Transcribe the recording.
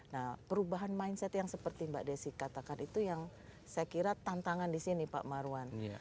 nah perubahan mindset yang seperti mbak desi katakan itu yang saya kira tantangan di sini pak marwan